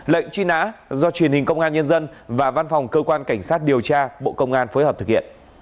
lệnh truy nã do truyền hình công an nhân dân và văn phòng cơ quan cảnh sát điều tra bộ công an phối hợp thực hiện